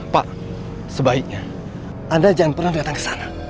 pak sebaiknya anda jangan pernah datang kesana